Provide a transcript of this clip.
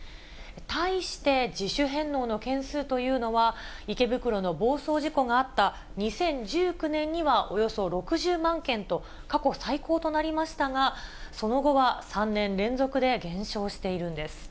対して、自主返納の件数というのは、池袋の暴走事故があった２０１９年にはおよそ６０万件と、過去最高となりましたが、その後は３年連続で減少しているんです。